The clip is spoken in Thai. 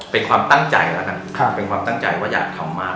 เป็นความตั้งใจแล้วกันเป็นความตั้งใจว่าอยากทำมาก